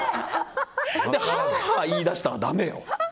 ハーハー言い出したらだめよ。